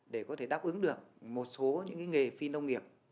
để có thể đáp ứng được một số những nghề phi nông nghiệp